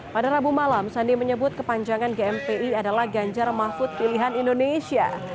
pada rabu malam sandi menyebut kepanjangan gmpi adalah ganjar mahfud pilihan indonesia